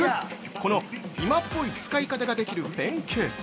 この今っぽい使い方ができるペンケース。